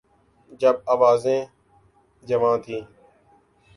جب آرزوئیں جوان تھیں۔